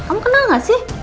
kamu kenal gak sih